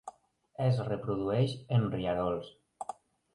Es reprodueix en rierols.